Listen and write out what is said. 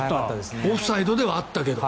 オフサイドではあったけど。